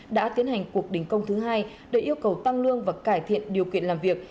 đã tiến hành cuộc đình công thứ hai để yêu cầu tăng lương và cải thiện điều kiện làm việc